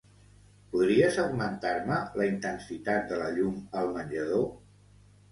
Podries augmentar-me la intensitat de la llum al menjador?